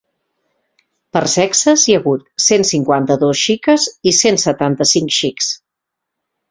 Per sexes, hi ha hagut cent cinquanta-dos xiques i cent setanta-cinc xics.